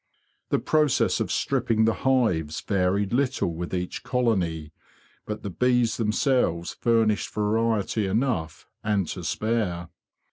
The process of stripping the hives varied little with each colony, but the bees themselves furnished variety enough and to spare.